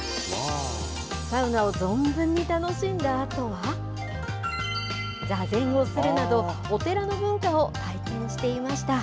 サウナを存分に楽しんだあとは、座禅をするなど、お寺の文化を体験していました。